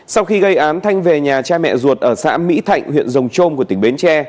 sau khi gây án thanh về nhà cha mẹ ruột ở xã mỹ thạnh huyện rồng trôm của tỉnh bến tre